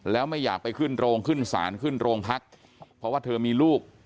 แล้วไม่อยากไปขึ้นโรงขึ้นศาลขึ้นโรงพักเพราะว่าเธอมีลูก